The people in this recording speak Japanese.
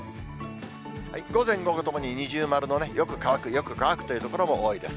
午前、午後ともに二重丸のよく乾く、よく乾くという所も多いです。